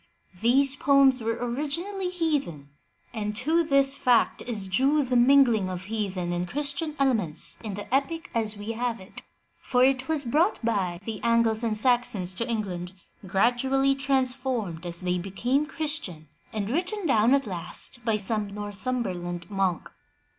These poems were originally heathen, and to this fact is due the mingling of heathen and Christian elements in the epic as we have it, for it was brought by the Angles and Saxons to England, gradually transformed as they became Christian, and written down at last by some Northum berland monk.